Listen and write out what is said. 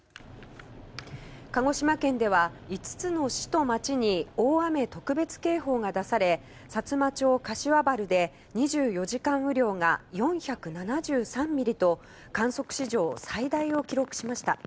鹿児島県では、５つの市と町に大雨特別警報が出されさつま町柏原で２４時間雨量が４７３ミリと観測史上最大を記録しました。